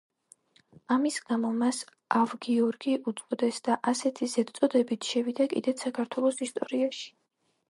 ამის გამო მას ავგიორგი უწოდეს და ასეთი ზედწოდებით შევიდა კიდეც საქართველოს ისტორიაში.